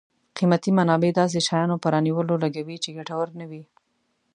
قیمتي منابع داسې شیانو په رانیولو لګوي چې ګټور نه وي.